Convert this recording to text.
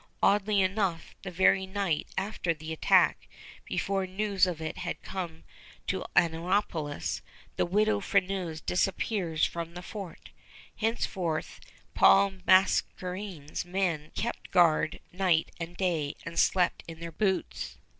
Oddly enough, the very night after the attack, before news of it had come to Annapolis, the Widow Freneuse disappears from the fort. Henceforth Paul Mascarene's men kept guard night and day, and slept in their boots.